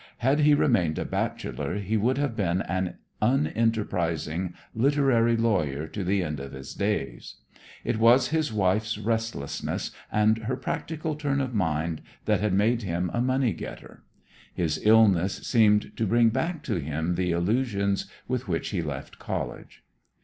Had he remained a bachelor, he would have been an unenterprising literary lawyer to the end of his days. It was his wife's restlessness and her practical turn of mind that had made him a money getter. His illness seemed to bring back to him the illusions with which he left college.